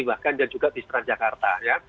bahkan juga bistran jakarta